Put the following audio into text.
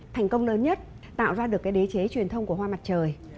thành công lớn nhất tạo ra được cái đế chế truyền thông của hoa mặt trời